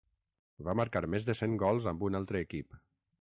Va marcar més de cent gols amb un altre equip.